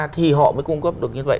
thì họ mới cung cấp được như vậy